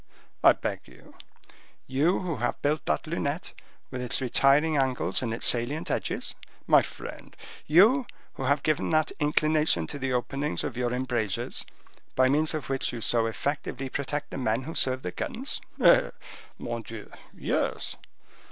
"I beg you—" "You who have built that lunette with its retiring angles and its salient edges?" "My friend—" "You who have given that inclination to the openings of your embrasures, by means of which you so effectively protect the men who serve the guns?" "Eh! mon Dieu! yes."